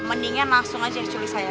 mendingan langsung aja diculik saya